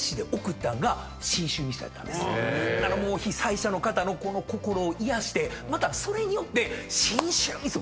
ほんなら被災者の方の心を癒やしてまたそれによって。